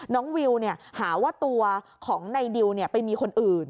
น้องวิวเนี่ยหาว่าตัวของนายดิวไปมีคนอื่น